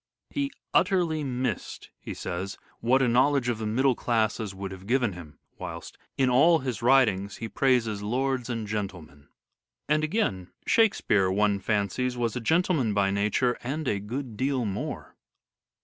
" He utterly missed," he says, " what a knowledge of the middle classes would have given him," whilst "in all his writings he praises lords and gentlemen." And again, " Shakespeare, one fancies, was a gentleman by nature, and a good deal more."